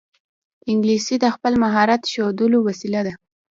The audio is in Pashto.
انګلیسي د خپل مهارت ښودلو وسیله ده